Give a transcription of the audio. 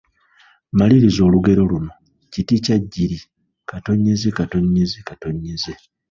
Maliriza olugero luno: Kiti kya jjiiri…